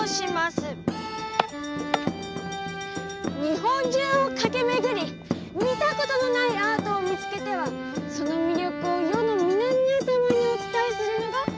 日本中を駆け巡り見たことのないアートを見つけてはその魅力を世の皆々様にお伝えするのが我らが務め。